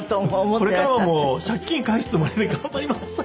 これからはもう借金返すつもりで頑張ります。